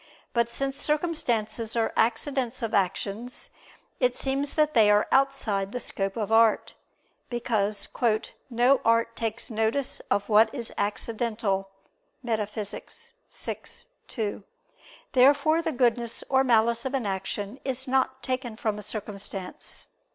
But since circumstances are accidents of actions, it seems that they are outside the scope of art: because "no art takes notice of what is accidental" (Metaph. vi, 2). Therefore the goodness or malice of an action is not taken from a circumstance.